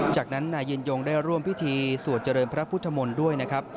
จากนั้นนายยินยงได้ร่วมพิธีสวดเจริญพระพุทธมนต์ด้วยนะครับ